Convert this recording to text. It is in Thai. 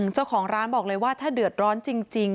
เจ้าของร้านบอกเลยว่าถ้าเดือดร้อนจริง